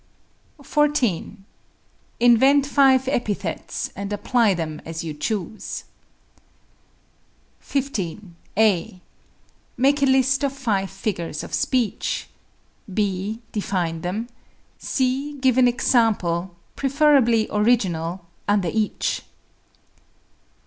14. Invent five epithets, and apply them as you choose (p. 235). 15. (a) Make a list of five figures of speech; (b) define them; (c) give an example preferably original under each.